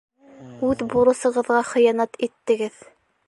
Үҙ бурысығыҙға хыянат иттегеҙ.